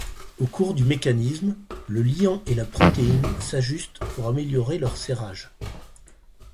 Au cours du mécanisme, le liant et la protéine s'ajustent pour améliorer leur serrage.